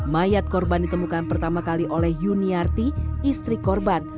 mayat korban ditemukan pertama kali oleh yuniarti istri korban